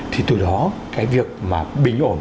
thì từ đó cái việc mà bình ổn